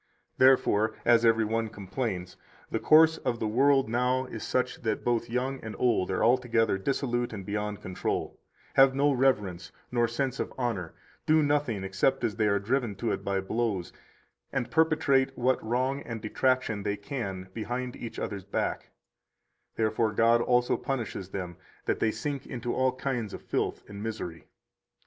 123 Therefore, as every one complains, the course of the world now is such that both young and old are altogether dissolute and beyond control, have no reverence nor sense of honor, do nothing except as they are driven to it by blows, and perpetrate what wrong and detraction they can behind each other's back; therefore God also punishes them, that they sink into all kinds of filth and misery.